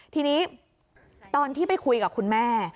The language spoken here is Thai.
ทีนี้ตอนที่ไปคุยกับคุณแม่